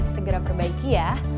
segera perbaiki ya